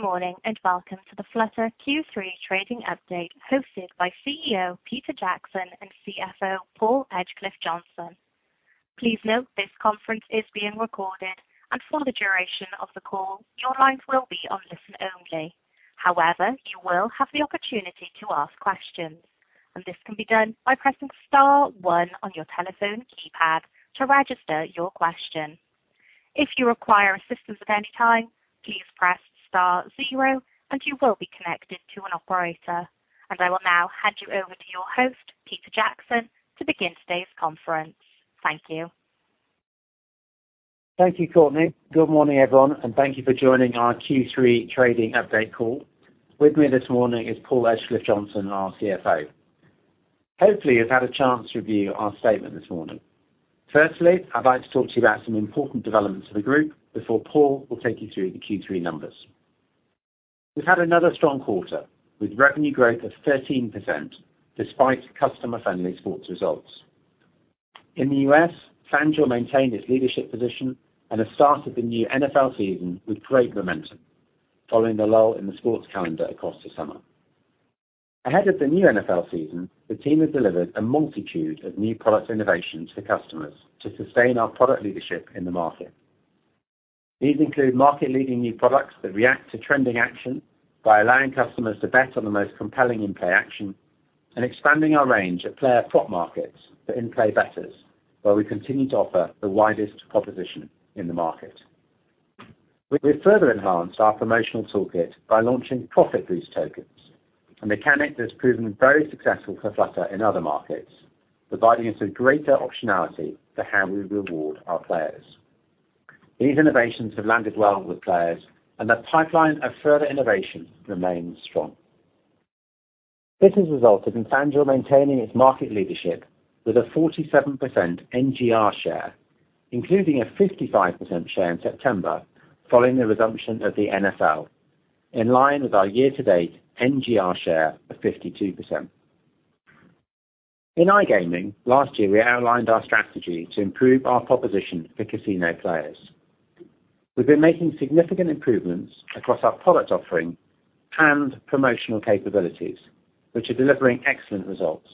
Good morning, and welcome to the Flutter Q3 trading update, hosted by CEO Peter Jackson and CFO Paul Edgecliffe-Johnson. Please note this conference is being recorded, and for the duration of the call, your lines will be on listen-only. However, you will have the opportunity to ask questions, and this can be done by pressing star one on your telephone keypad to register your question. If you require assistance at any time, please press star zero and you will be connected to an operator. I will now hand you over to your host, Peter Jackson, to begin today's conference. Thank you. Thank you, Courtney. Good morning, everyone, and thank you for joining our Q3 trading update call. With me this morning is Paul Edgecliffe-Johnson, our CFO. Hopefully, you've had a chance to review our statement this morning. Firstly, I'd like to talk to you about some important developments for the group before Paul will take you through the Q3 numbers. We've had another strong quarter, with revenue growth of 13%, despite customer-friendly sports results. In the U.S., FanDuel maintained its leadership position and the start of the new NFL season with great momentum, following the lull in the sports calendar across the summer. Ahead of the new NFL season, the team has delivered a multitude of new product innovations to customers to sustain our product leadership in the market. These include market-leading new products that react to trending action by allowing customers to bet on the most compelling in-play action and expanding our range of player prop markets for in-play bettors, where we continue to offer the widest proposition in the market. We've further enhanced our promotional toolkit by launching Profit Boost Tokens, a mechanic that's proven very successful for Flutter in other markets, providing us with greater optionality for how we reward our players. These innovations have landed well with players, and the pipeline of further innovation remains strong. This has resulted in FanDuel maintaining its market leadership with a 47% NGR share, including a 55% share in September, following the resumption of the NFL, in line with our year-to-date NGR share of 52%. In iGaming, last year, we outlined our strategy to improve our proposition for casino players. We've been making significant improvements across our product offering and promotional capabilities, which are delivering excellent results.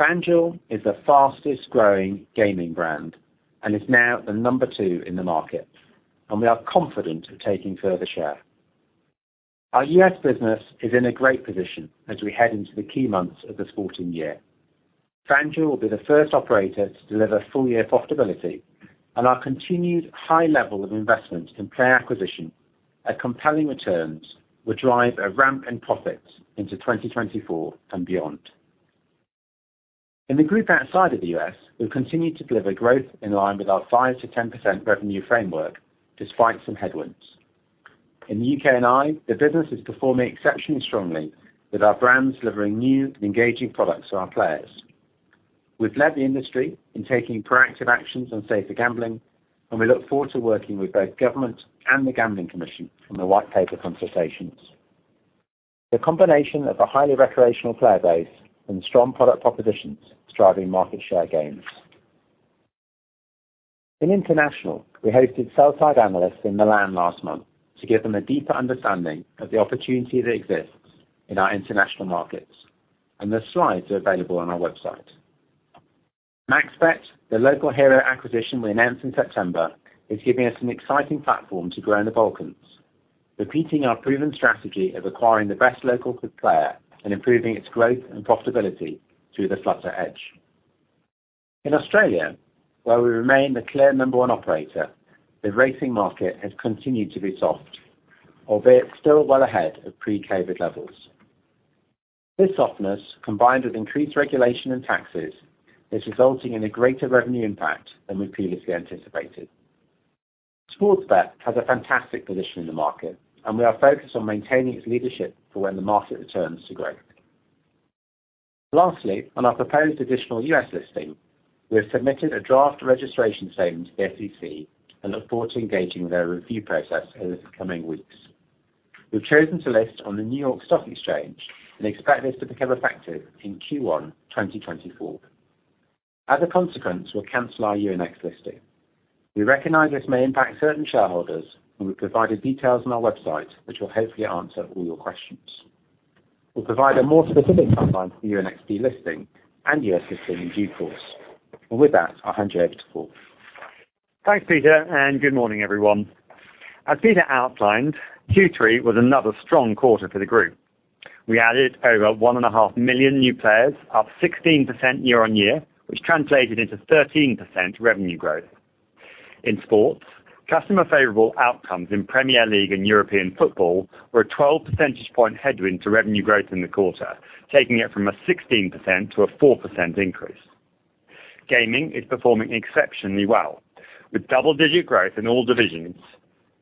FanDuel is the fastest-growing gaming brand and is now the number two in the market, and we are confident of taking further share. Our U.S. business is in a great position as we head into the key months of the sporting year. FanDuel will be the first operator to deliver full-year profitability, and our continued high level of investment in player acquisition at compelling returns will drive a ramp in profits into 2024 and beyond. In the group outside of the U.S., we've continued to deliver growth in line with our 5%-10% revenue framework, despite some headwinds. In the U.K. and Ireland, the business is performing exceptionally strongly, with our brands delivering new and engaging products to our players. We've led the industry in taking proactive actions on safer gambling, and we look forward to working with both government and the Gambling Commission on the White Paper consultations. The combination of a highly recreational player base and strong product propositions is driving market share gains. In international, we hosted sell-side analysts in Milan last month to give them a deeper understanding of the opportunity that exists in our international markets, and the slides are available on our website. MaxBet, the local hero acquisition we announced in September, is giving us an exciting platform to grow in the Balkans, repeating our proven strategy of acquiring the best local player and improving its growth and profitability through the Flutter Edge. In Australia, where we remain the clear number one operator, the racing market has continued to be soft, albeit still well ahead of pre-COVID levels. This softness, combined with increased regulation and taxes, is resulting in a greater revenue impact than we previously anticipated. Sportsbet has a fantastic position in the market, and we are focused on maintaining its leadership for when the market returns to growth. Lastly, on our proposed additional U.S. listing, we have submitted a draft registration statement to the SEC and look forward to engaging with their review process in the coming weeks. We've chosen to list on the New York Stock Exchange and expect this to become effective in Q1 2024. As a consequence, we'll cancel our Euronext listing. We recognize this may impact certain shareholders, and we've provided details on our website, which will hopefully answer all your questions. We'll provide a more specific timeline for the NYSE listing and U.S. listing in due course. And with that, I'll hand you over to Paul. Thanks, Peter, and good morning, everyone. As Peter outlined, Q3 was another strong quarter for the group. We added over 1.5 million new players, up 16% year-on-year, which translated into 13% revenue growth. In sports, customer favorable outcomes in Premier League and European football were a 12 percentage point headwind to revenue growth in the quarter, taking it from a 16% to a 4% increase. Gaming is performing exceptionally well, with double-digit growth in all divisions,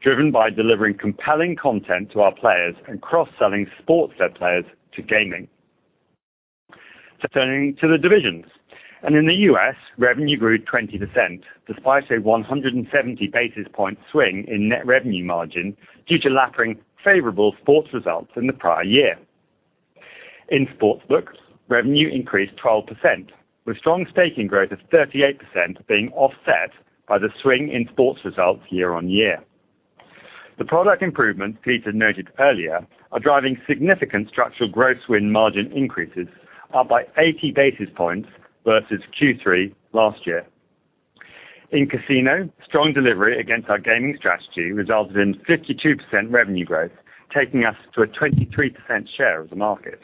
driven by delivering compelling content to our players and cross-selling sports bet players to gaming. Turning to the divisions, in the U.S., revenue grew 20%, despite a 170 basis point swing in net revenue margin, due to lapping favorable sports results in the prior year.... In Sportsbook, revenue increased 12%, with strong staking growth of 38% being offset by the swing in sports results year-on-year. The product improvements Peter noted earlier are driving significant structural growth win margin increases, up by 80 basis points versus Q3 last year. In Casino, strong delivery against our gaming strategy resulted in 52% revenue growth, taking us to a 23% share of the market.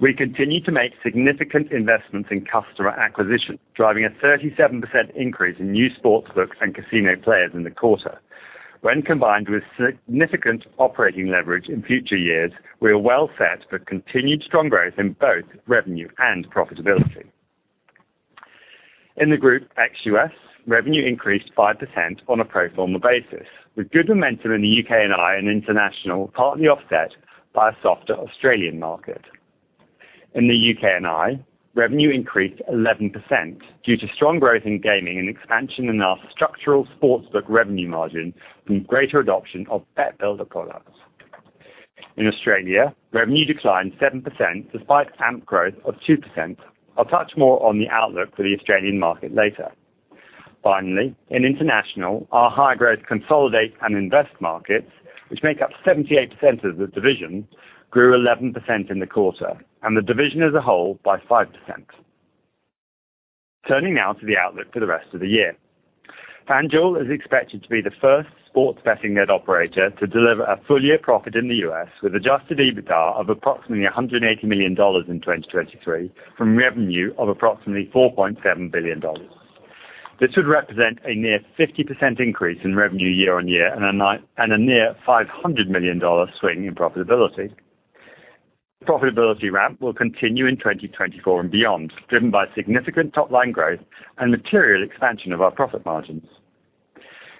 We continue to make significant investments in customer acquisition, driving a 37% increase in new Sportsbook and Casino players in the quarter. When combined with significant operating leverage in future years, we are well set for continued strong growth in both revenue and profitability. In the Group ex-US, revenue increased 5% on a pro forma basis, with good momentum in the UK&I and international, partly offset by a softer Australian market. In the UK&I, revenue increased 11% due to strong growth in gaming and expansion in our structural sportsbook revenue margin from greater adoption of BetBuilder products. In Australia, revenue declined 7% despite ARPU growth of 2%. I'll touch more on the outlook for the Australian market later. Finally, in international, our high-growth consolidate and invest markets, which make up 78% of the division, grew 11% in the quarter, and the division as a whole by 5%. Turning now to the outlook for the rest of the year. FanDuel is expected to be the first sports betting net operator to deliver a full-year profit in the US, with adjusted EBITDA of approximately $180 million in 2023, from revenue of approximately $4.7 billion. This would represent a near 50% increase in revenue year-on-year and a near $500 million swing in profitability. Profitability ramp will continue in 2024 and beyond, driven by significant top-line growth and material expansion of our profit margins.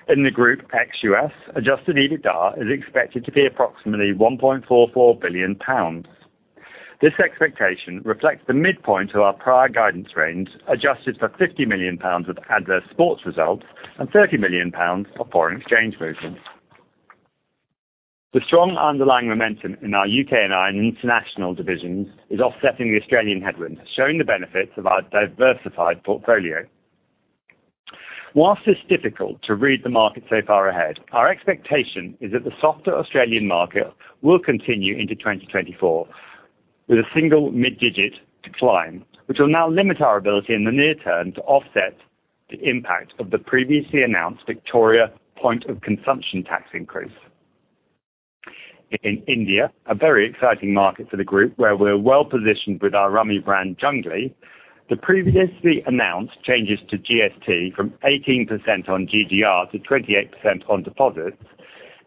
In the group ex-US, Adjusted EBITDA is expected to be approximately 1.44 billion pounds. This expectation reflects the midpoint of our prior guidance range, adjusted for 50 million pounds of adverse sports results and 30 million pounds of foreign exchange movements. The strong underlying momentum in our UK&I and international divisions is offsetting the Australian headwinds, showing the benefits of our diversified portfolio. While it's difficult to read the market so far ahead, our expectation is that the softer Australian market will continue into 2024, with a single mid-digit decline, which will now limit our ability in the near term to offset the impact of the previously announced Victoria point of consumption tax increase. In India, a very exciting market for the group, where we're well positioned with our Rummy brand, Junglee, the previously announced changes to GST from 18% on GGR to 28% on deposits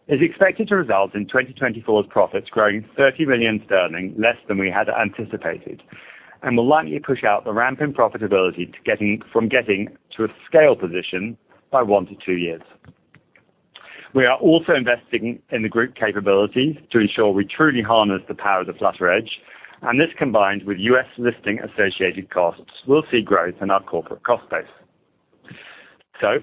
is expected to result in 2024's profits growing £30 million, less than we had anticipated, and will likely push out the ramp in profitability from getting to a scale position by 1-2 years. We are also investing in the group capability to ensure we truly harness the power of the Flutter Edge, and this, combined with U.S. listing associated costs, will see growth in our corporate cost base.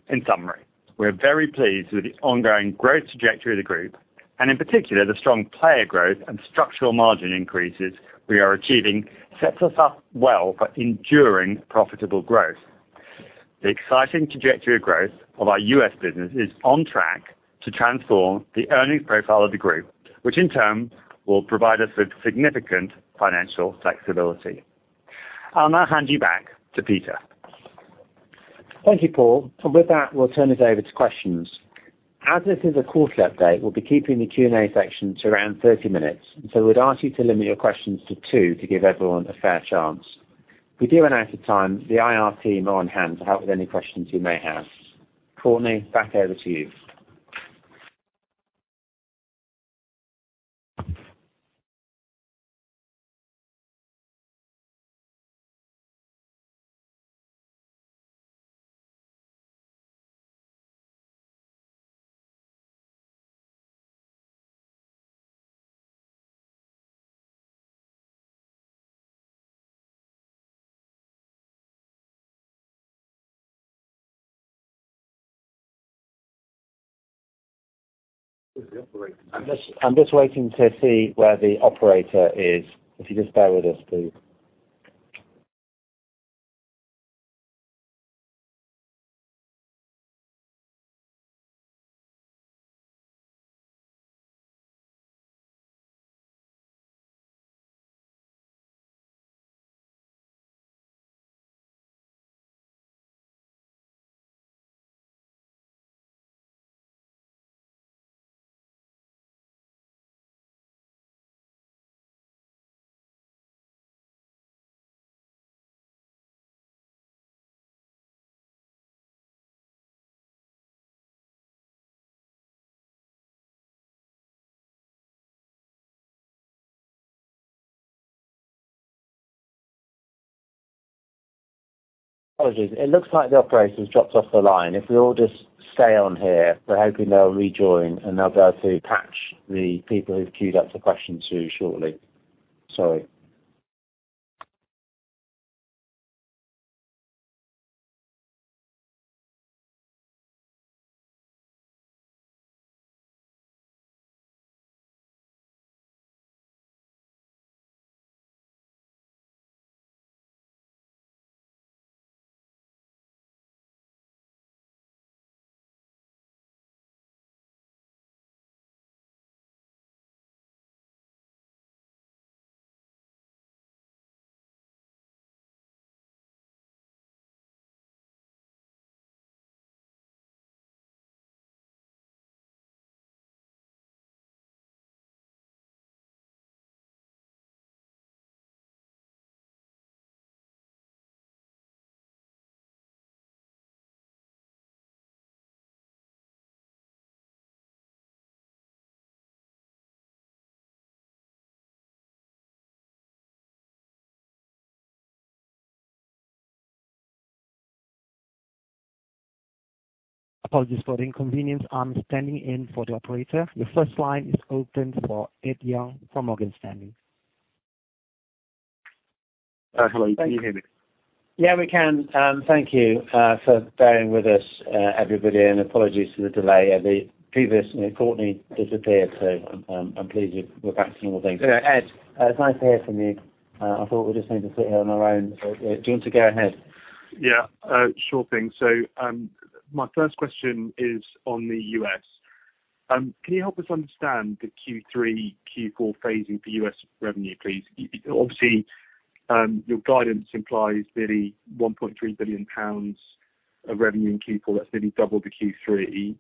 In summary, we're very pleased with the ongoing growth trajectory of the group, and in particular, the strong player growth and structural margin increases we are achieving sets us up well for enduring profitable growth. The exciting trajectory of growth of our U.S. business is on track to transform the earnings profile of the group, which in turn will provide us with significant financial flexibility. I'll now hand you back to Peter. Thank you, Paul. And with that, we'll turn it over to questions. As this is a quarterly update, we'll be keeping the Q&A section to around 30 minutes, so we'd ask you to limit your questions to 2 to give everyone a fair chance. If we do run out of time, the IR team are on hand to help with any questions you may have. Courtney, back over to you. I'm just, I'm just waiting to see where the operator is. If you just bear with us, please. Apologies. It looks like the operator's dropped off the line. If we all just stay on here, we're hoping they'll rejoin, and they'll be able to patch the people who've queued up to question through shortly. Sorry. ... Apologies for the inconvenience. I'm standing in for the operator. The first line is open for Ed Young from Morgan Stanley. Hello. Can you hear me? Yeah, we can. Thank you for bearing with us, everybody, and apologies for the delay. The previous, you know, Courtney disappeared, so, I'm pleased we're back to normal things. Ed, it's nice to hear from you. I thought we just need to sit here on our own. Do you want to go ahead? Yeah, sure thing. So, my first question is on the US. Can you help us understand the Q3, Q4 phasing for US revenue, please? Obviously, your guidance implies nearly 1.3 billion pounds of revenue in Q4. That's nearly double the Q3,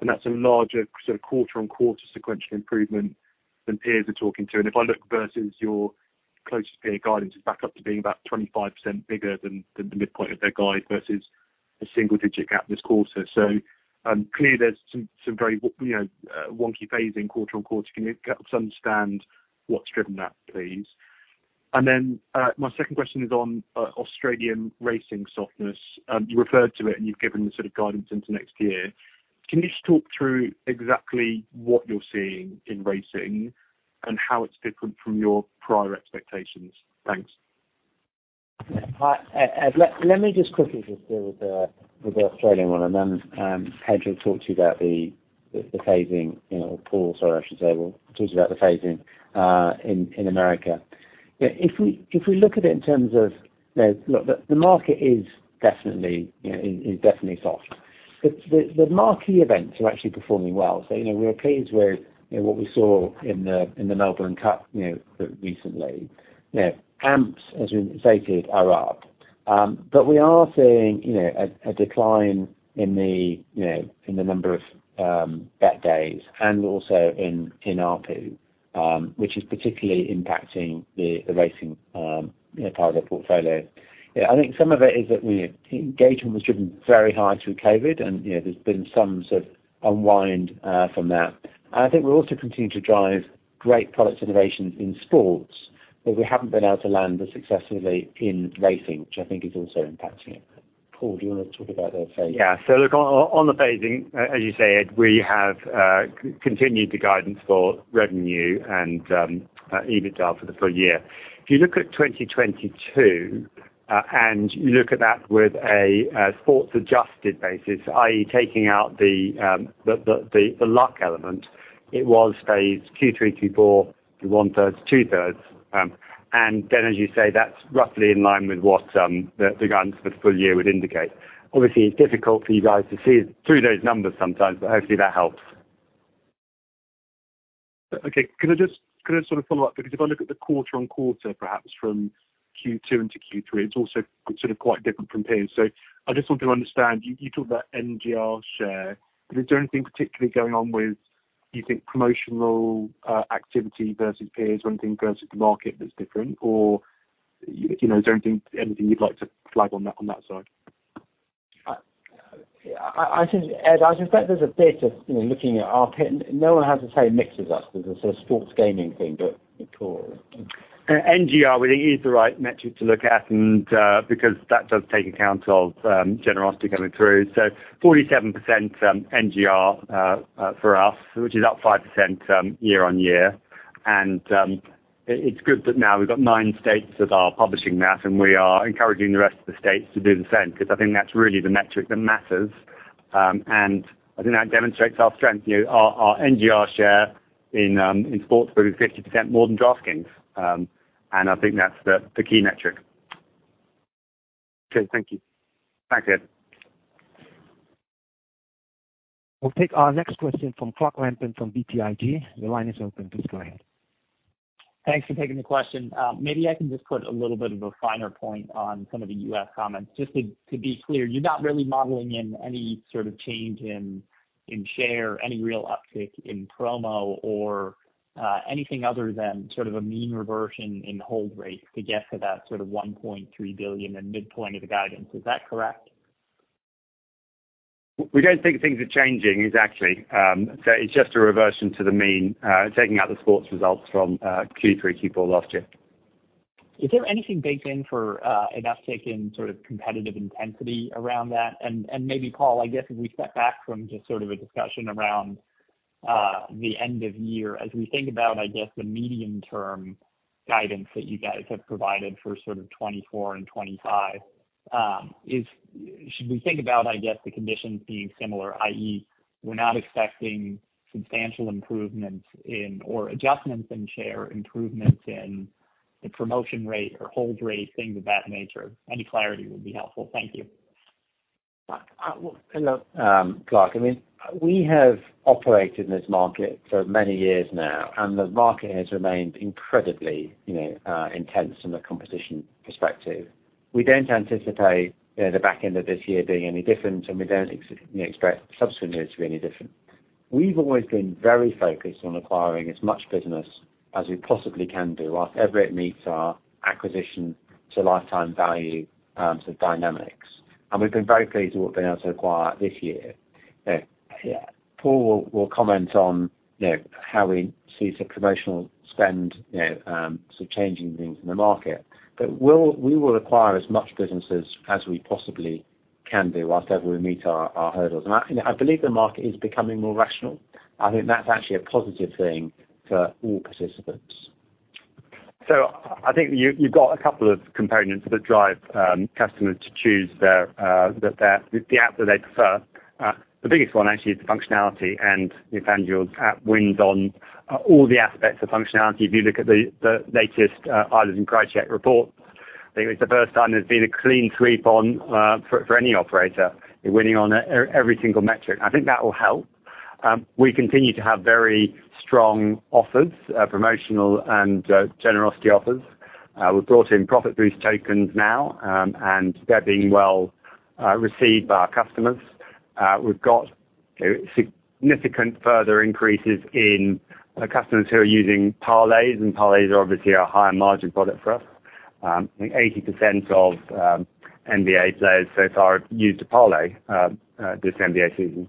and that's a larger sort of quarter-on-quarter sequential improvement than peers are talking to. And if I look versus your closest peer, guidance is back up to being about 25% bigger than, than the midpoint of their guide versus a single-digit gap this quarter. So, clearly, there's some, some very, you know, wonky phasing quarter on quarter. Can you help us understand what's driven that, please? And then, my second question is on Australian racing softness. You referred to it, and you've given the sort of guidance into next year. Can you just talk through exactly what you're seeing in racing and how it's different from your prior expectations? Thanks. Hi, Ed, let me just quickly just deal with the Australian one, and then Paul will talk to you about the phasing, you know, Paul, sorry, I should say, will talk about the phasing in America. If we look at it in terms of, you know, the market is definitely soft. The marquee events are actually performing well. So, you know, we're pleased with what we saw in the Melbourne Cup recently. Now, AMPs, as we stated, are up, but we are seeing, you know, a decline in the number of bet days and also in ARPU, which is particularly impacting the racing part of their portfolio. Yeah, I think some of it is that engagement was driven very high through COVID, and, you know, there's been some sort of unwind from that. I think we're also continuing to drive great product innovations in sports, but we haven't been able to land as successfully in racing, which I think is also impacting it. Paul, do you want to talk about that phase? Yeah. So look on the phasing, as you say, Ed, we have continued the guidance for revenue and EBITDA for the full year. If you look at 2022, and you look at that with a sports adjusted basis, i.e., taking out the luck element, it was phased Q3, Q4, one third, two thirds. And then, as you say, that's roughly in line with what the guidance for the full year would indicate. Obviously, it's difficult for you guys to see through those numbers sometimes, but hopefully that helps. Okay. Can I just can I sort of follow up? Because if I look at the quarter-on-quarter, perhaps from Q2 into Q3, it's also sort of quite different from peers. So I just want to understand, you talked about NGR share, but is there anything particularly going on with, you think, promotional activity versus peers or anything versus the market that's different? Or, you know, is there anything you'd like to flag on that, on that side? I think, Ed, I suspect there's a bit of, you know, looking at ARPU. No one has the same mix as us. There's a sports gaming thing, but Paul. NGR, we think, is the right metric to look at and, because that does take account of, generosity coming through. So 47%, NGR, for us, which is up 5%, year on year. And, it's good that now we've got nine states that are publishing that, and we are encouraging the rest of the states to do the same, because I think that's really the metric that matters. And I think that demonstrates our strength. You know, our, our NGR share in, in sports is 50% more than DraftKings, and I think that's the, the key metric. Okay. Thank you. Thanks, Ed. We'll take our next question from Clark Lampen, from BTIG. The line is open. Please go ahead. Thanks for taking the question. Maybe I can just put a little bit of a finer point on some of the US comments. Just to, to be clear, you're not really modeling in any sort of change in, in share, any real uptick in promo or, anything other than sort of a mean reversion in hold rate to get to that sort of $1.3 billion and midpoint of the guidance. Is that correct? We don't think things are changing exactly. So it's just a reversion to the mean, taking out the sports results from Q3, Q4 last year. Is there anything baked in for an uptick in sort of competitive intensity around that? And maybe, Paul, I guess if we step back from just sort of a discussion around the end of year, as we think about, I guess, the medium term guidance that you guys have provided for sort of 2024 and 2025, is should we think about, I guess, the conditions being similar, i.e., we're not expecting substantial improvements in or adjustments in share, improvements in the promotion rate or hold rate, things of that nature? Any clarity would be helpful. Thank you. Well, look, Clark, I mean, we have operated in this market for many years now, and the market has remained incredibly, you know, intense from a competition perspective. We don't anticipate, you know, the back end of this year being any different, and we don't expect subsequently to be any different. We've always been very focused on acquiring as much business as we possibly can do, wherever it meets our acquisition to lifetime value, so dynamics. And we've been very pleased with what we've been able to acquire this year. Yeah. Paul will comment on, you know, how we see some promotional spend, you know, so changing things in the market. But we will acquire as much businesses as we possibly can do whilst ever we meet our hurdles. I, you know, I believe the market is becoming more rational. I think that's actually a positive thing for all participants. So I think you've got a couple of components that drive customers to choose their app that they prefer. The biggest one actually is the functionality, and the FanDuel app wins on all the aspects of functionality. If you look at the latest Ireland Price Check Report, I think it's the first time there's been a clean sweep for any operator, winning on every single metric. I think that will help. We continue to have very strong offers, promotional and generosity offers. We've brought in Profit Boost Tokens now, and they're being well received by our customers. We've got significant further increases in the customers who are using parlays, and parlays are obviously a higher margin product for us. I think 80% of NBA players so far have used a parlay this NBA season.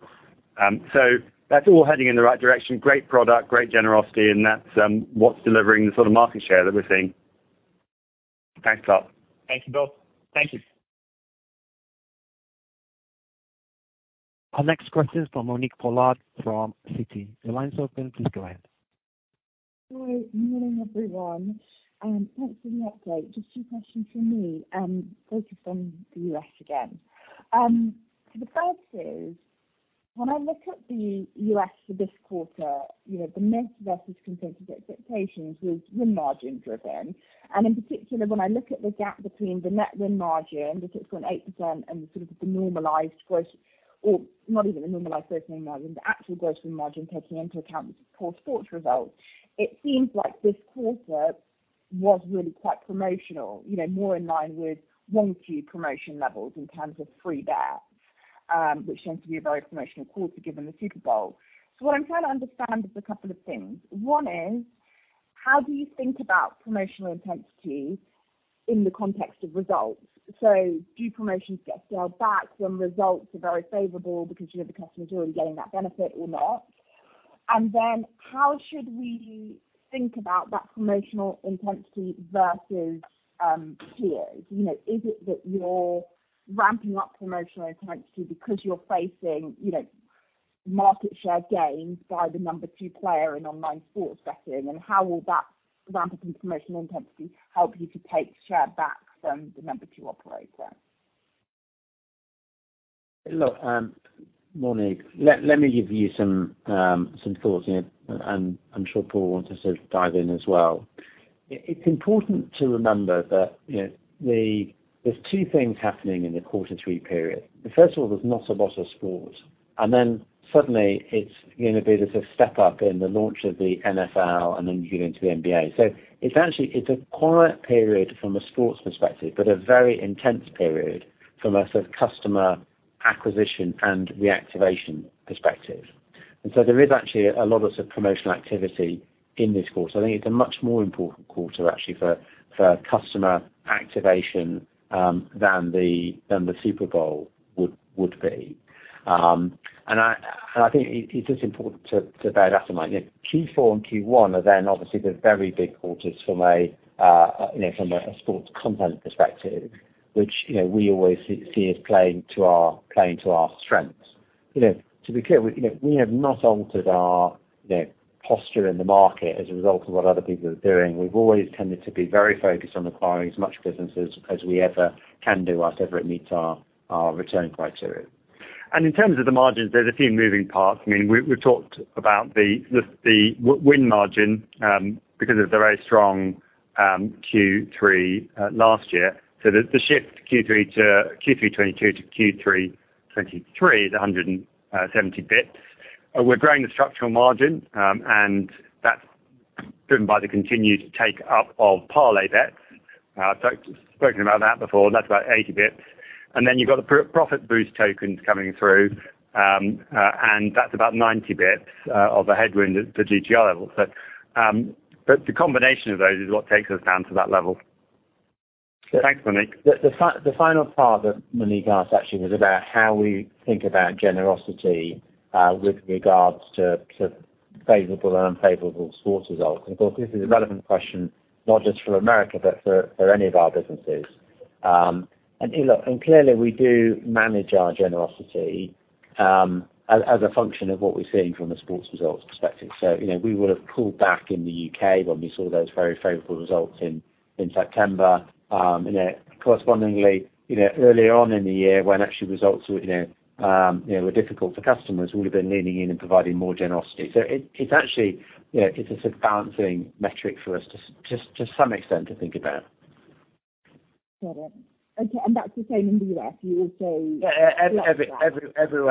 So that's all heading in the right direction, great product, great generosity, and that's what's delivering the sort of market share that we're seeing. Thanks, Clark. Thank you, Bill. Thank you. Our next question is from Monique Pollard from Citi. Your line is open, please go ahead. Good morning, everyone, and thanks for the update. Just two questions from me, focused on the US again. So the first is, when I look at the US for this quarter, you know, the miss versus consensus expectations was win margin driven. And in particular, when I look at the gap between the net win margin, which it's grown 8%, and sort of the normalized gross, or not even the normalized gross win margin, the actual gross win margin, taking into account the poor sports results, it seems like this quarter was really quite promotional, you know, more in line with Q1 key promotion levels in terms of free bets, which tends to be a very promotional quarter, given the Super Bowl. So what I'm trying to understand is a couple of things. One is, how do you think about promotional intensity in the context of results? So do promotions get scaled back when results are very favorable because you know the customer is already getting that benefit or not? And then, how should we think about that promotional intensity versus peers? You know, is it that you're ramping up promotional intensity because you're facing, you know, market share gains by the number two player in online sports betting, and how will that ramp up in promotional intensity help you to take share back from the number two operator? Look, Monique, let me give you some thoughts here, and I'm sure Paul wants to sort of dive in as well. It's important to remember that, you know, there's two things happening in the quarter three period. First of all, there's not a lot of sport. And then suddenly, it's going to be this step up in the launch of the NFL and then you get into the NBA. So essentially, it's a quiet period from a sports perspective, but a very intense period from a sort of customer acquisition and reactivation perspective. And so there is actually a lot of promotional activity in this quarter. So I think it's a much more important quarter actually for customer activation than the Super Bowl would be. And I think it's just important to bear that in mind. You know, Q4 and Q1 are then obviously the very big quarters from a sports content perspective, which, you know, we always see as playing to our strengths. You know, to be clear, we have not altered our posture in the market as a result of what other people are doing. We've always tended to be very focused on acquiring as much businesses as we ever can do, whatever it meets our return criteria. In terms of the margins, there's a few moving parts. I mean, we talked about the win margin because of the very strong Q3 last year. So the shift Q3 to Q3 2022 to Q3 2023 is a hundred and seventy bips. We're growing the structural margin, and that's driven by the continued take up of parlay bets. I've spoken about that before, that's about eighty bips. And then you've got the Profit Boost Tokens coming through, and that's about ninety bips of a headwind at the GGR level. So but the combination of those is what takes us down to that level. Thanks, Monique. The final part that Monique asked actually was about how we think about generosity, with regards to, to favorable and unfavorable sports results. And of course, this is a relevant question, not just for America, but for, for any of our businesses.... And, you know, and clearly we do manage our generosity, as, as a function of what we're seeing from a sports results perspective. So, you know, we would have pulled back in the UK when we saw those very favorable results in, in September. You know, correspondingly, you know, earlier on in the year, when actually results were, you know, were difficult for customers, we would have been leaning in and providing more generosity. So it, it's actually, you know, it's a sort of balancing metric for us to- to some extent, to think about. Got it. Okay, and that's the same in the US, you would say? Yeah, everywhere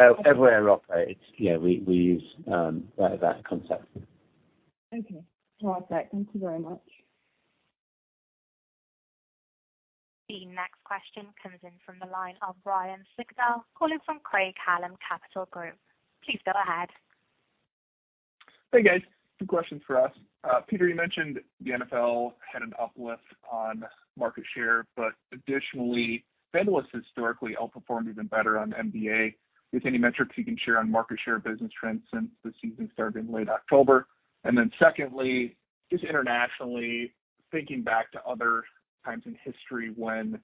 I operate, it's, you know, we use that concept. Okay, perfect. Thank you very much. The next question comes in from the line of Ryan Sigdahl, calling from Craig-Hallum Capital Group. Please go ahead. Hey, guys. Two questions for us. Peter, you mentioned the NFL had an uplift on market share, but additionally, FanDuel has historically outperformed even better on NBA, with any metrics you can share on market share business trends since the season started in late October. And then secondly, just internationally, thinking back to other times in history when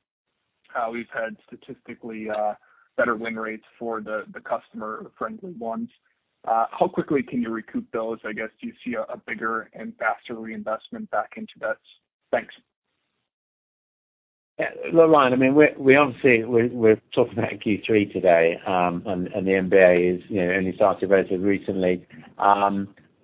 we've had statistically better win rates for the customer-friendly ones, how quickly can you recoup those? I guess, do you see a bigger and faster reinvestment back into that? Thanks. Yeah. Look, Ryan, I mean, we obviously we're talking about Q3 today, and the NBA is, you know, only started relatively recently. But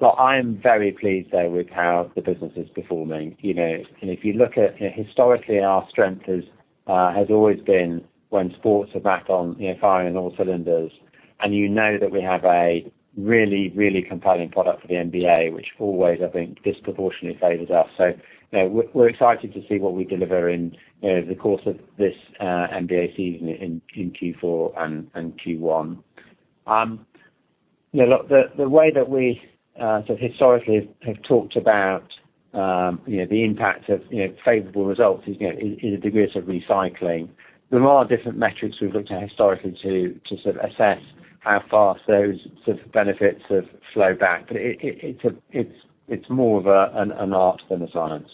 I am very pleased, though, with how the business is performing. You know, and if you look at historically, our strength is has always been when sports are back on, you know, firing on all cylinders, and you know that we have a really, really compelling product for the NBA, which always, I think, disproportionately favors us. So, you know, we're excited to see what we deliver in, you know, the course of this NBA season in Q4 and Q1. You know, look, the way that we sort of historically have talked about, you know, the impact of, you know, favorable results is, you know, in a degree of recycling. There are different metrics we've looked at historically to sort of assess how fast those sort of benefits have flowed back. But it's more of an art than a science.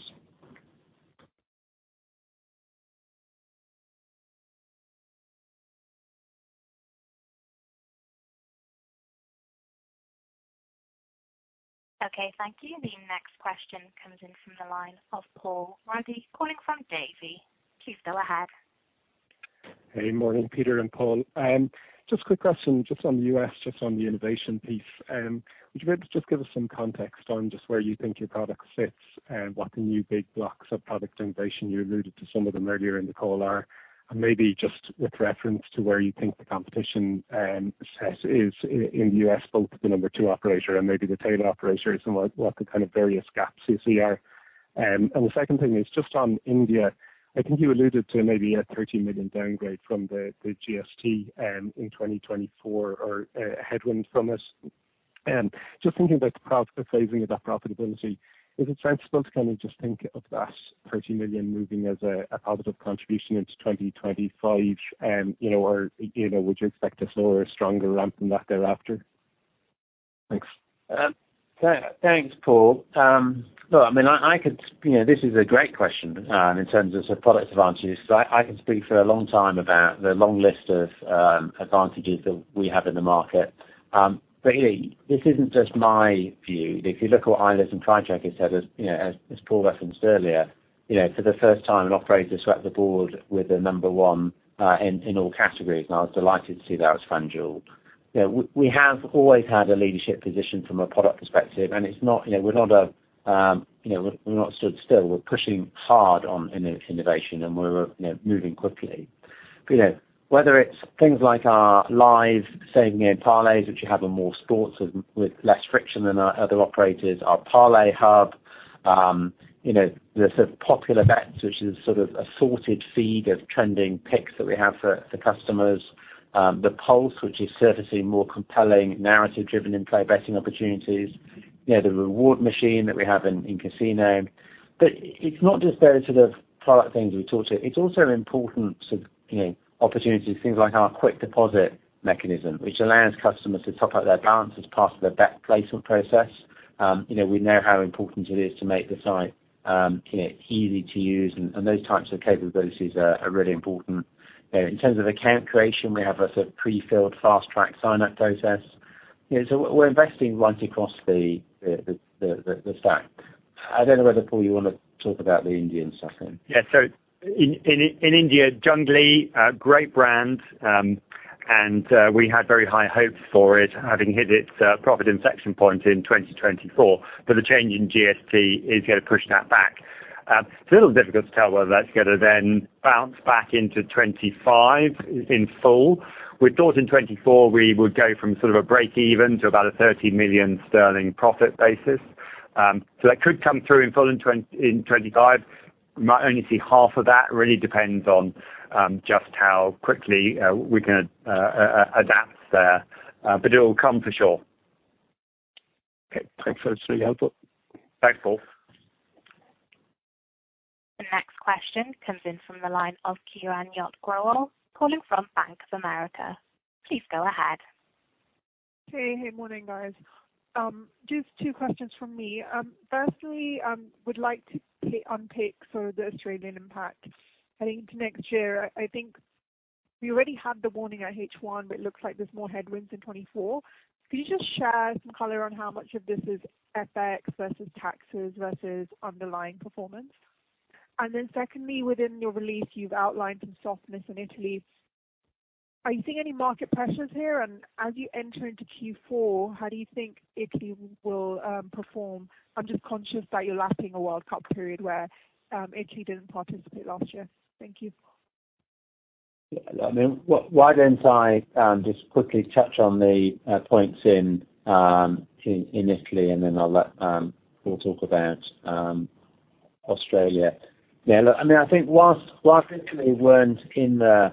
Okay, thank you. The next question comes in from the line of Paul Ruddy, calling from Davy. Please go ahead. Hey, morning, Peter and Paul. Just a quick question, just on the U.S., just on the innovation piece. Would you be able to just give us some context on just where you think your product sits, and what the new big blocks of product innovation, you alluded to some of them earlier in the call, are? And maybe just with reference to where you think the competition, set is in the U.S., both the number two operator and maybe the tail operator, and some of what the kind of various gaps you see are. And the second thing is just on India, I think you alluded to maybe a 13 million downgrade from the GST in 2024, or a headwind from it. Just thinking about the profit, the phasing of that profitability, is it sensible to kind of just think of that £30 million moving as a positive contribution into 2025? You know, or, you know, would you expect a slower or stronger ramp than that thereafter? Thanks. Thanks, Paul. Look, I mean, I could... You know, this is a great question, in terms of the product advantages, so I can speak for a long time about the long list of advantages that we have in the market. But you know, this isn't just my view. If you look at what iGaming and TrackCon said, as you know, as Paul referenced earlier, you know, for the first time, an operator swept the board with the number one in all categories, and I was delighted to see that was FanDuel. You know, we have always had a leadership position from a product perspective, and it's not, you know, we're not stood still. We're pushing hard on innovation, and we're moving quickly. But, you know, whether it's things like our live, say, you know, parlays, which you have on more sports with less friction than our other operators, our Parlay Hub, you know, the sort of popular bets, which is sort of a sorted feed of trending picks that we have for customers, the Pulse, which is servicing more compelling, narrative-driven in-play betting opportunities, you know, the Reward Machine that we have in casino. But it's not just those sort of product things we talked to. It's also important sort of, you know, opportunities, things like our Quick Deposit mechanism, which allows customers to top up their balance as part of their bet placement process. You know, we know how important it is to make the site, you know, easy to use, and those types of capabilities are really important. In terms of account creation, we have a sort of pre-filled fast track sign-up process. You know, so we're investing right across the stack. I don't know whether, Paul, you want to talk about the Indian stuff then. Yeah. So in India, Junglee, a great brand, and we had very high hopes for it, having hit its profit inception point in 2024. But the change in GST is going to push that back. It's a little difficult to tell whether that's going to then bounce back into 2025 in full. We thought in 2024, we would go from sort of a break-even to about a £30 million profit basis. So that could come through in full in 2025. Might only see half of that, really depends on just how quickly we're gonna adapt there. But it'll come for sure. Okay. Thanks for the helpful. Thanks, Paul. The next question comes in from the line of Kiranjot Grewal, calling from Bank of America. Please go ahead.... Hey, hey, morning, guys. Just two questions from me. Firstly, would like to unpick for the Australian impact heading into next year. I think we already had the warning at H1, but it looks like there's more headwinds in 2024. Can you just share some color on how much of this is FX versus taxes versus underlying performance? And then secondly, within your release, you've outlined some softness in Italy. Are you seeing any market pressures here? And as you enter into Q4, how do you think Italy will perform? I'm just conscious that you're lacking a World Cup period where Italy didn't participate last year. Thank you. I mean, why don't I just quickly touch on the points in Italy, and then I'll let-- we'll talk about Australia. Yeah, look, I mean, I think while Italy weren't in the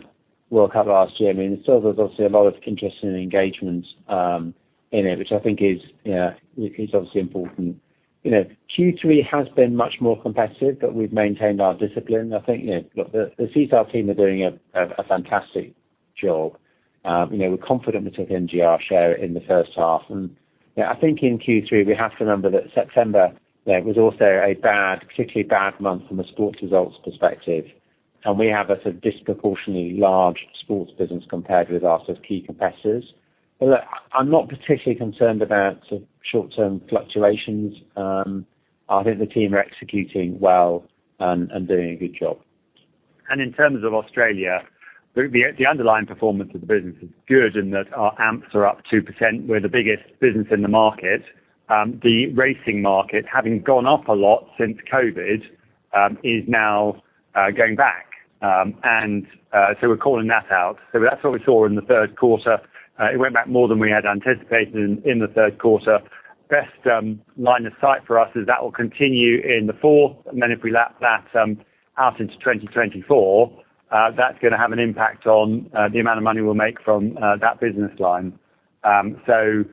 World Cup last year, I mean, so there's obviously a lot of interest and engagement in it, which I think is, you know, is obviously important. You know, Q3 has been much more competitive, but we've maintained our discipline. I think, you know, look, the CSAR team are doing a fantastic job. You know, we're confident we took NGR share in the first half. And, yeah, I think in Q3, we have to remember that September, you know, was also a bad, particularly bad month from a sports results perspective. We have a sort of disproportionately large sports business compared with our sort of key competitors. But look, I'm not particularly concerned about the short-term fluctuations. I think the team are executing well and doing a good job. And in terms of Australia, the underlying performance of the business is good in that our amps are up 2%. We're the biggest business in the market. The racing market, having gone up a lot since COVID, is now going back. And so we're calling that out. So that's what we saw in the Q3. It went back more than we had anticipated in the Q3. Best line of sight for us is that will continue in the fourth, and then if we lap that out into 2024, that's gonna have an impact on the amount of money we'll make from that business line. So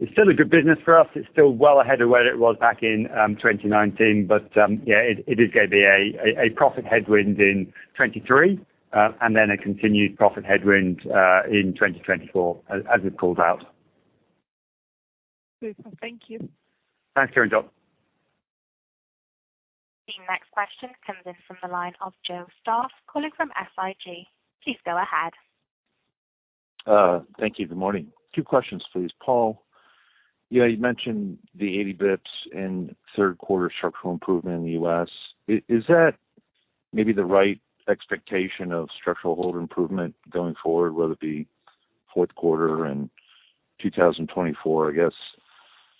it's still a good business for us. It's still well ahead of where it was back in 2019, but yeah, it is going to be a profit headwind in 2023, and then a continued profit headwind in 2024, as we called out. Super. Thank you. Thanks, Karen John. The next question comes in from the line of Joe Stauff, calling from SIG. Please go ahead. Thank you. Good morning. Two questions, please. Paul, yeah, you mentioned the 80 bps in Q3 structural improvement in the U.S. Is that maybe the right expectation of structural hold improvement going forward, whether it be Q4 and 2024, I guess,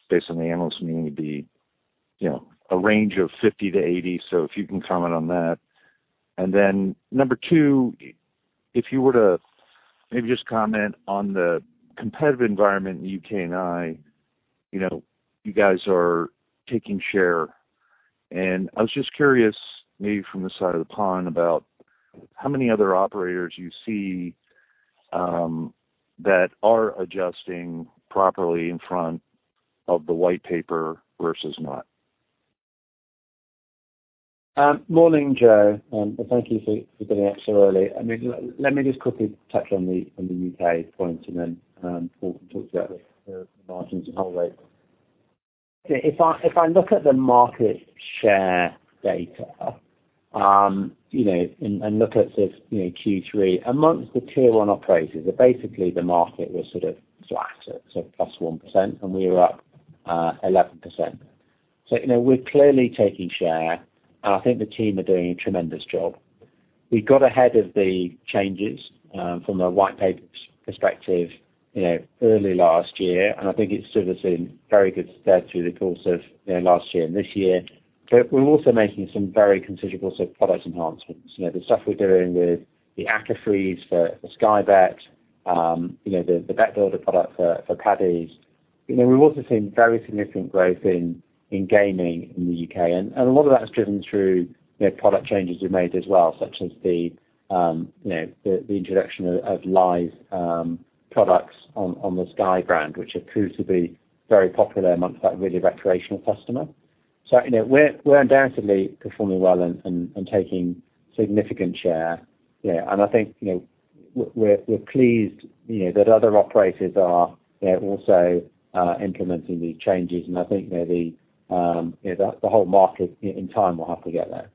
based on the analysts meeting it would be, you know, a range of 50-80? So if you can comment on that. And then number two, if you were to maybe just comment on the competitive environment in the U.K. and I, you know, you guys are taking share. And I was just curious, maybe from the side of the pond, about how many other operators you see that are adjusting properly in front of the White Paper versus not? Morning, Joe, and thank you for getting up so early. I mean, let me just quickly touch on the UK point, and then we'll talk about the margins and hold weight. If I look at the market share data, you know, and look at this, you know, Q3, among the tier one operators, basically the market was sort of flat, so +1%, and we were up 11%. So, you know, we're clearly taking share, and I think the team are doing a tremendous job. We got ahead of the changes from a White Paper perspective, you know, early last year, and I think it stood us in very good stead through the course of last year and this year. But we're also making some very considerable product enhancements. You know, the stuff we're doing with the Acca Freeze for Sky Bet, you know, the Bet Builder product for Paddies. You know, we've also seen very significant growth in gaming in the UK. And a lot of that is driven through, you know, product changes we've made as well, such as the introduction of live products on the Sky brand, which have proved to be very popular amongst that really recreational customer. So, you know, we're undoubtedly performing well and taking significant share. Yeah, and I think, you know, we're pleased, you know, that other operators are, yeah, also implementing these changes. And I think, you know, the whole market in time will have to get there.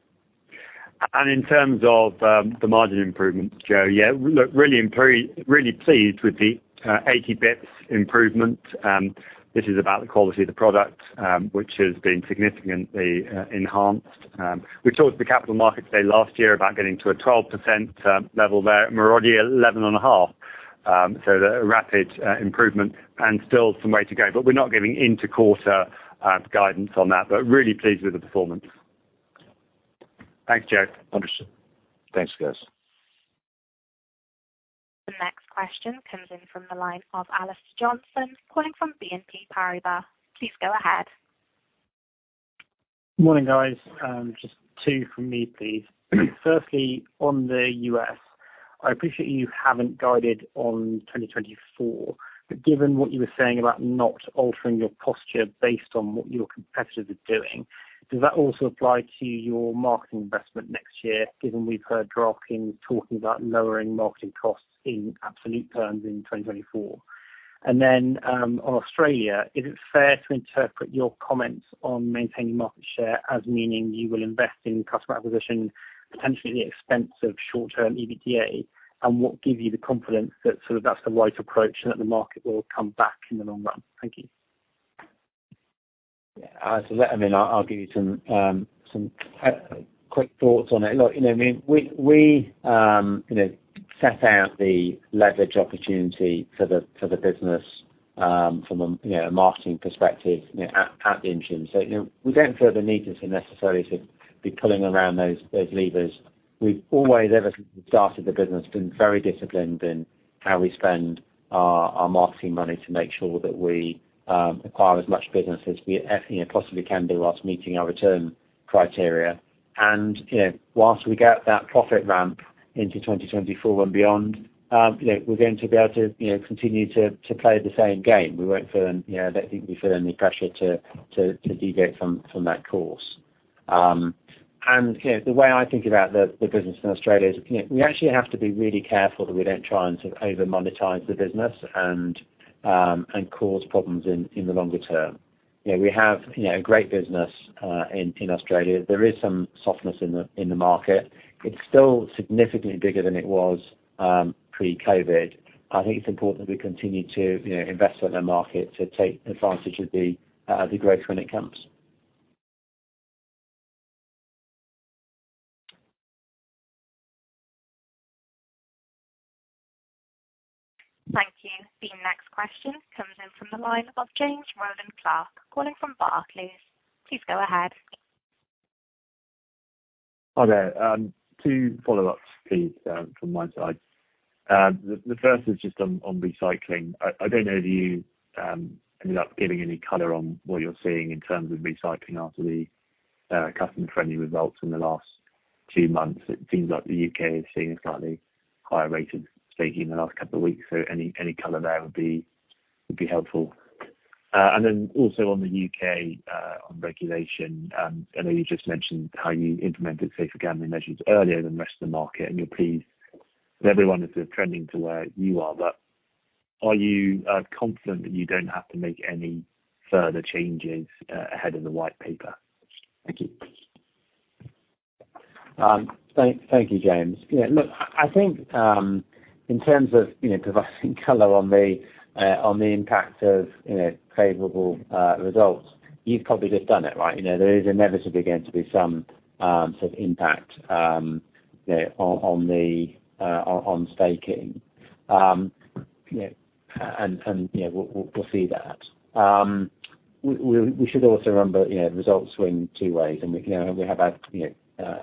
And in terms of the margin improvement, Joe, yeah, look, really pleased with the 80 basis points improvement. This is about the quality of the product, which has been significantly enhanced. We talked to the Capital Markets Day last year about getting to a 12% level there. We're already at 11.5%, so the rapid improvement and still some way to go. But we're not giving quarter guidance on that, but really pleased with the performance. Thanks, Joe. Understood. Thanks, guys. The next question comes in from the line of Alistair Johnson, calling from BNP Paribas. Please go ahead. Morning, guys. Just two from me, please. Firstly, on the US, I appreciate you haven't guided on 2024, but given what you were saying about not altering your posture based on what your competitors are doing, does that also apply to your marketing investment next year, given we've heard DraftKings talking about lowering marketing costs in absolute terms in 2024? And then, on Australia, is it fair to interpret your comments on maintaining market share as meaning you will invest in customer acquisition, potentially at the expense of short-term EBITDA? And what gives you the confidence that sort of, that's the right approach, and that the market will come back in the long run? Thank you. Yeah, so I mean, I'll give you some quick thoughts on it. Look, you know, I mean, we, you know, set out the leverage opportunity for the business from a marketing perspective, you know, at the interim. So, you know, we don't feel the need to necessarily to be pulling around those levers. We've always, ever since we started the business, been very disciplined in how we spend our marketing money to make sure that we acquire as much business as we, you know, possibly can do whilst meeting our return criteria. You know, whilst we get that profit ramp into 2024 and beyond, you know, we're going to be able to continue to play the same game. We won't feel, you know, I don't think we feel any pressure to deviate from that course. And, you know, the way I think about the business in Australia is, you know, we actually have to be really careful that we don't try and sort of over-monetize the business and cause problems in the longer term. You know, we have, you know, a great business in Australia. There is some softness in the market. It's still significantly bigger than it was pre-COVID. I think it's important that we continue to, you know, invest in the market to take advantage of the growth when it comes. Thank you. The next question comes in from the line of James Rowland Clark, calling from Barclays. Please go ahead. Hi there, two follow-ups please, from my side. The first is just on recycling. I don't know if you ended up giving any color on what you're seeing in terms of recycling after the customer-friendly results in the last two months. It seems like the UK is seeing a slightly higher rate of staking in the last couple of weeks, so any color there would be helpful. And then also on the UK, on regulation, I know you just mentioned how you implemented safer gambling measures earlier than the rest of the market, and you're pleased that everyone is sort of trending to where you are. But are you confident that you don't have to make any further changes ahead of the White Paper? Thank you. Thank you, James. Yeah, look, I think, in terms of, you know, providing color on the impact of, you know, favorable results, you've probably just done it, right? You know, there is inevitably going to be some sort of impact, you know, on staking. You know, and we'll see that. We should also remember, you know, results swing two ways, and, you know, we have had, you know,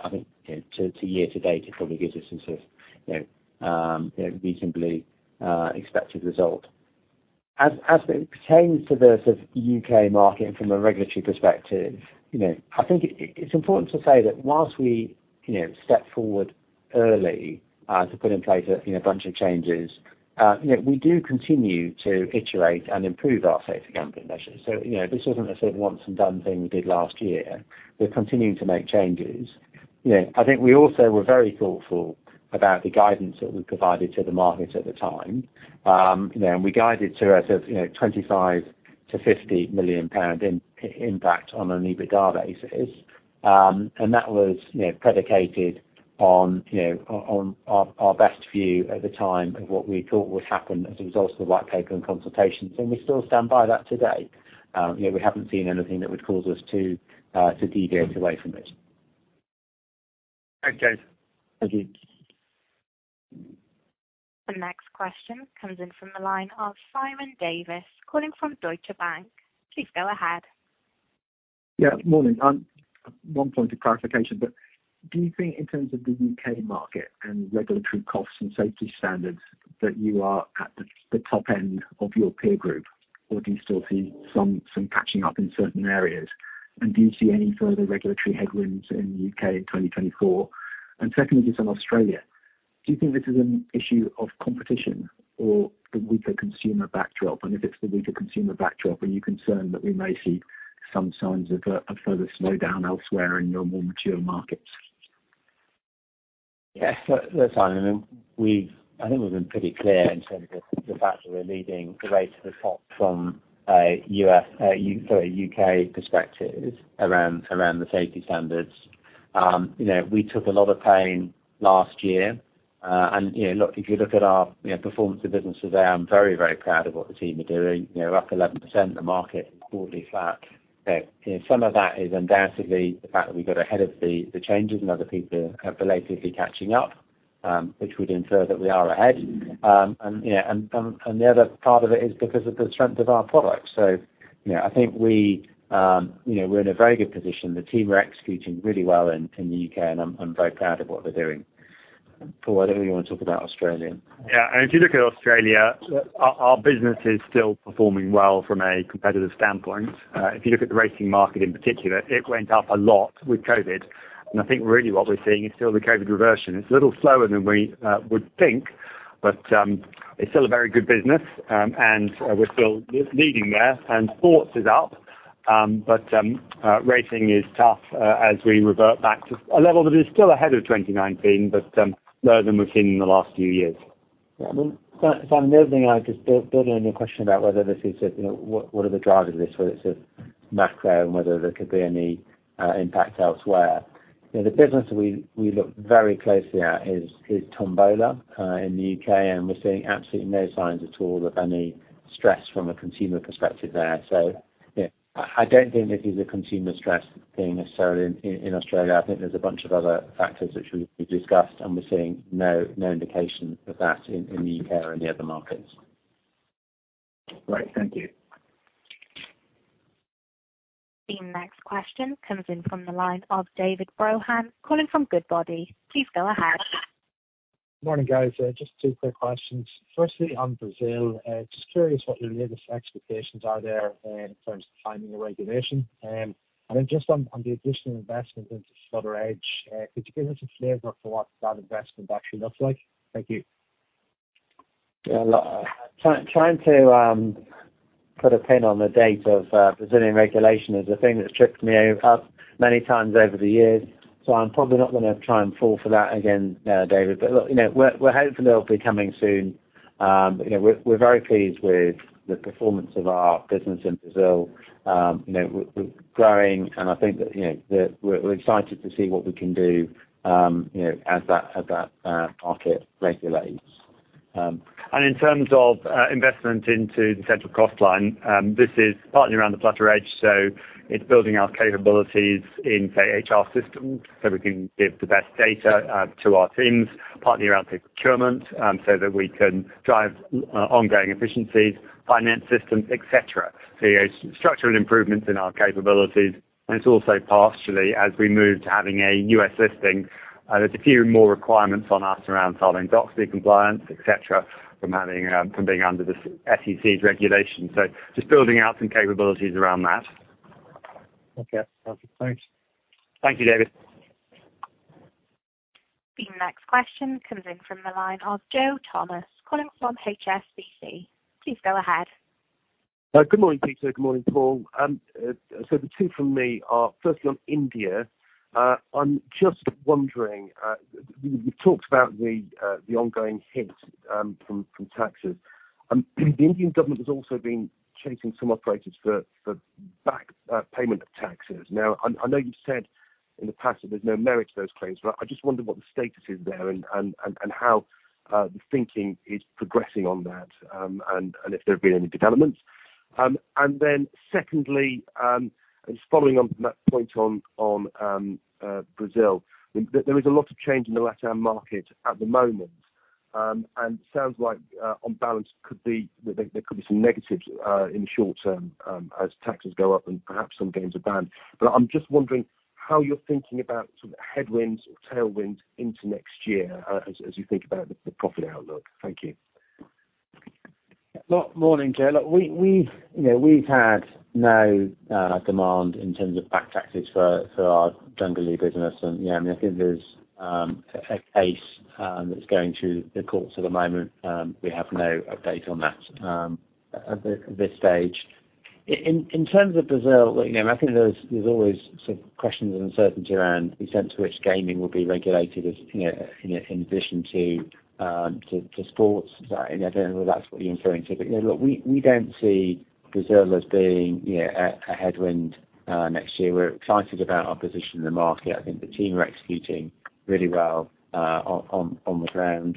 I think, you know, to year to date, it probably gives us some sort of, you know, reasonably expected result. As it pertains to the sort of UK market from a regulatory perspective, you know, I think it's important to say that whilst we, you know, step forward early, to put in place a, you know, bunch of changes, you know, we do continue to iterate and improve our safer gambling measures. So, you know, this isn't a sort of once and done thing we did last year. We're continuing to make changes. You know, I think we also were very thoughtful about the guidance that we provided to the market at the time. And we guided to a sort of, you know, 25 million-50 million pound in impact on an EBITDA basis. That was, you know, predicated on, you know, on, on, our best view at the time of what we thought would happen as a result of the White Paper and consultations, and we still stand by that today. You know, we haven't seen anything that would cause us to, to deviate away from it. Thanks, James. Thank you. The next question comes in from the line of Simon Davies, calling from Deutsche Bank. Please go ahead. Yeah, morning. One point of clarification, but do you think in terms of the UK market and regulatory costs and safety standards, that you are at the top end of your peer group, or do you still see some catching up in certain areas? And do you see any further regulatory headwinds in the UK in 2024? And secondly, just on Australia, do you think this is an issue of competition or the weaker consumer backdrop? And if it's the weaker consumer backdrop, are you concerned that we may see some signs of a further slowdown elsewhere in your more mature markets? Yes, so Simon, I think we've been pretty clear in terms of the fact that we're leading the way to the top from a UK perspective around the safety standards. You know, we took a lot of pain last year, and, you know, look, if you look at our, you know, performance of businesses there, I'm very, very proud of what the team are doing. You know, up 11%, the market quarterly flat. Some of that is undoubtedly the fact that we got ahead of the changes and other people are relatively catching up, which would infer that we are ahead. And, you know, and the other part of it is because of the strength of our products. So, you know, I think we, you know, we're in a very good position. The team are executing really well in the UK, and I'm very proud of what they're doing. Paul, I don't know if you want to talk about Australia? Yeah, and if you look at Australia, our business is still performing well from a competitive standpoint. If you look at the racing market in particular, it went up a lot with COVID, and I think really what we're seeing is still the COVID reversion. It's a little slower than we would think, but it's still a very good business, and we're still leading there. And sports is up-... But rating is tough as we revert back to a level that is still ahead of 2019, but lower than we've seen in the last few years. Yeah, well, Simon, the other thing I just build, building on your question about whether this is a, you know, what, what are the drivers of this, whether it's a macro and whether there could be any impact elsewhere. You know, the business that we, we look very closely at is, is Tombola in the U.K., and we're seeing absolutely no signs at all of any stress from a consumer perspective there. So, yeah, I, I don't think this is a consumer stress thing necessarily in, in Australia. I think there's a bunch of other factors which we, we discussed, and we're seeing no, no indication of that in, in the U.K. or any other markets. Great. Thank you. The next question comes in from the line of David Brohan, calling from Goodbody. Please go ahead. Morning, guys. Just two quick questions. Firstly, on Brazil, just curious what your latest expectations are there, in terms of timing and regulation. And then just on the additional investment into Flutter Edge, could you give us a flavor for what that investment actually looks like? Thank you. Yeah, look, trying to put a pin on the date of Brazilian regulation is a thing that's tripped me up many times over the years, so I'm probably not gonna try and fall for that again, David. But look, you know, we're hopeful it'll be coming soon. You know, we're very pleased with the performance of our business in Brazil. You know, we're growing, and I think that you know that we're excited to see what we can do, you know, as that market regulates. In terms of investment into the central cost line, this is partly around the Flutter Edge, so it's building our capabilities in, say, HR systems, so we can give the best data to our teams, partly around the procurement, so that we can drive ongoing efficiencies, finance systems, et cetera. So yeah, structural improvements in our capabilities, and it's also partially as we move to having a U.S. listing, there's a few more requirements on us around Sarbanes-Oxley compliance, et cetera, from having, from being under the SEC's regulation. So just building out some capabilities around that. Okay. Perfect. Thanks. Thank you, David. The next question comes in from the line of Joe Thomas, calling from HSBC. Please go ahead. Good morning, Peter. Good morning, Paul. So the two from me are, firstly, on India. I'm just wondering, you talked about the ongoing hits from taxes. The Indian government has also been chasing some operators for back payment of taxes. Now, I know you've said in the past that there's no merit to those claims, but I just wondered what the status is there, and how the thinking is progressing on that, and if there have been any developments. And then secondly, just following on from that point on Brazil, there is a lot of change in the Latin market at the moment, and sounds like on balance could be, there could be some negatives in the short term, as taxes go up and perhaps some games are banned. But I'm just wondering how you're thinking about sort of headwinds or tailwinds into next year, as you think about the profit outlook. Thank you. Well, morning, Joe. Look, we’ve had no demand in terms of back taxes for our Junglee business. You know, I mean, I think there’s a case that’s going through the courts at the moment. We have no update on that at this stage. In terms of Brazil, well, you know, I think there’s always some questions and uncertainty around the extent to which gaming will be regulated, as you know, in addition to sports. I don’t know whether that’s what you’re referring to, but look, we don’t see Brazil as being a headwind next year. We’re excited about our position in the market. I think the team are executing really well on the ground.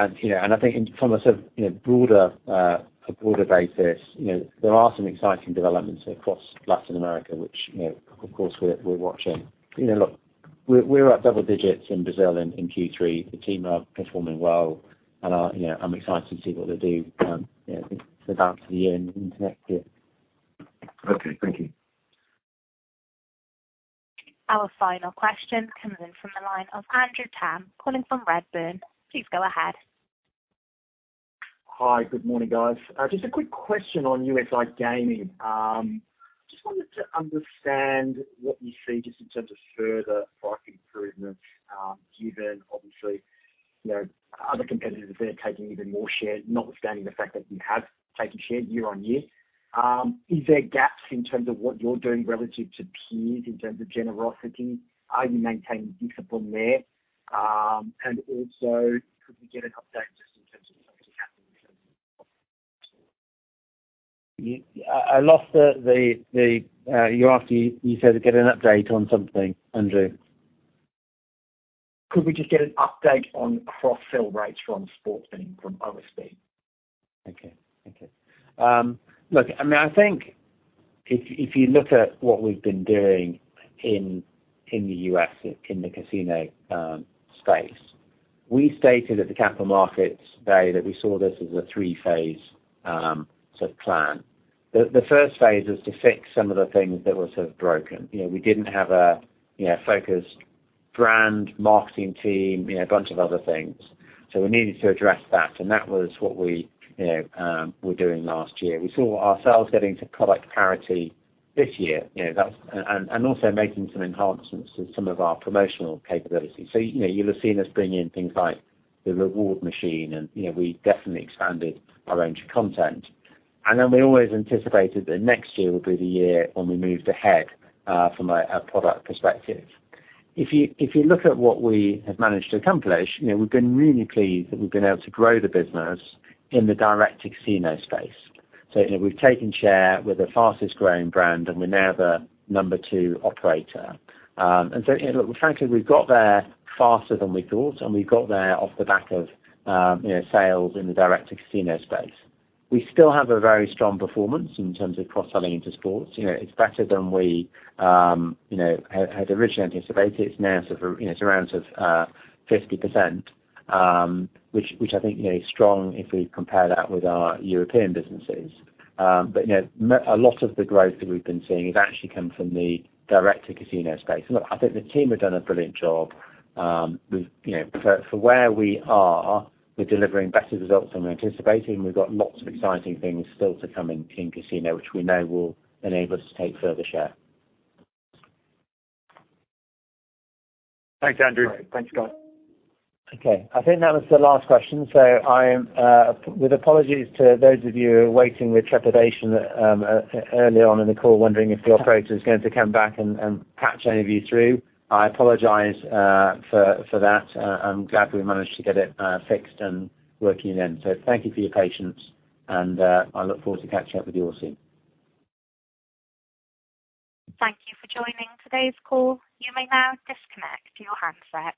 And, you know, and I think from a sort of, you know, broader, a broader basis, you know, there are some exciting developments across Latin America, which, you know, of course, we're, we're watching. You know, look, we're, we're at double digits in Brazil in, in Q3. The team are performing well, and are, you know, I'm excited to see what they do, you know, the balance of the year into next year. Okay, thank you. Our final question comes in from the line of Andrew Tam, calling from Redburn. Please go ahead. Hi, good morning, guys. Just a quick question on US iGaming. Just wanted to understand what you see just in terms of further price improvements, given obviously, you know, other competitors are taking even more share, notwithstanding the fact that you have taken share year on year. Is there gaps in terms of what you're doing relative to peers, in terms of generosity? Are you maintaining discipline there? And also, could we get an update just in terms of Yeah. I lost the, you asked me, you said to get an update on something, Andrew. Could we just get an update on cross-sell rates from sports and from OSB? Okay. Thank you. Look, I mean, I think if you, if you look at what we've been doing in the US, in the casino space, we stated at the Capital Markets Day that we saw this as a three-phase sort of plan. The first phase was to fix some of the things that were sort of broken. You know, we didn't have a focused brand marketing team, you know, a bunch of other things. So we needed to address that, and that was what we, you know, were doing last year. We saw ourselves getting to product parity this year. You know, that's and also making some enhancements to some of our promotional capabilities. So, you know, you'll have seen us bring in things like the Reward Machine and, you know, we definitely expanded our range of content. Then we always anticipated that next year would be the year when we moved ahead from a product perspective. If you look at what we have managed to accomplish, you know, we've been really pleased that we've been able to grow the business in the direct casino space. So, you know, we've taken share, we're the fastest growing brand, and we're now the number two operator. And so, you know, frankly, we got there faster than we thought, and we got there off the back of sales in the direct casino space. We still have a very strong performance in terms of cross-selling into sports. You know, it's better than we had originally anticipated. It's now sort of, you know, around sort of, 50%, which I think, you know, is strong if we compare that with our European businesses. But you know, a lot of the growth that we've been seeing has actually come from the direct-to-casino space. Look, I think the team have done a brilliant job. We've, you know, for where we are, we're delivering better results than we're anticipating. We've got lots of exciting things still to come in casino, which we know will enable us to take further share. Thanks, Andrew. Thanks, guys. Okay, I think that was the last question. So I'm with apologies to those of you waiting with trepidation, early on in the call, wondering if the operator is going to come back and patch any of you through. I apologize for that. I'm glad we managed to get it fixed and working again. So thank you for your patience, and I look forward to catching up with you all soon. Thank you for joining today's call. You may now disconnect your handsets.